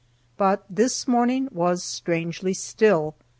But this morning was strangely still.